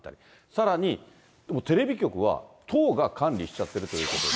さらにテレビ局は党が管理しちゃってるということで。